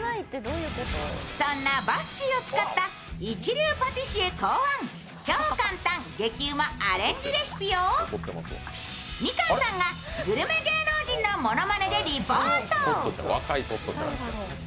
そんなバスチーを使った一流パティシエ考案、超簡単・激ウマアレンジレシピをみかんさんがグルメ芸能人のものまねでリポート。